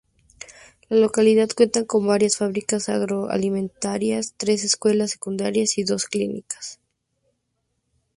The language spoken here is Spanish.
La localidad cuenta con varias fábricas agroalimentarias, tres escuelas secundarias y dos clínicas.